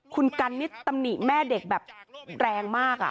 คุณกันนิดตำหนิแม่เด็กแบบแรงมาก